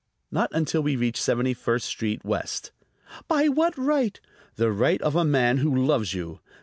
"Not until we reach Seventy first Street West." "By what right " "The right of a man who loves you.